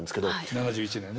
７１年ね。